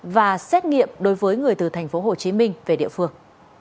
và xét nghiệm đối với người từ thành phố hồ chí minh về địa phương